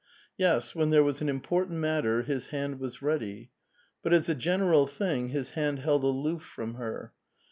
Yes ; when there was an important matter, his hand was ready. But, as a general thing, his hand held aloof from her.